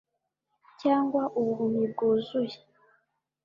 Cyangwa ubuhumyi bwuzuye